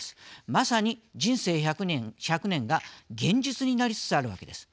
まさに人生１００年が現実になりつつあるわけです。